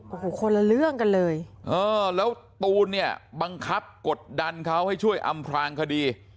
โอ้โหคนละเรื่องกันเลยเออแล้วตูนเนี่ยบังคับกดดันเขาให้ช่วยอำพลางคดี